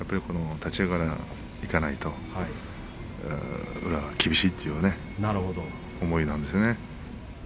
立ち合いから、いかないと宇良は厳しいという思いがですね。